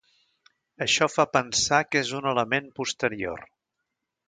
Això fa pensar que és un element posterior.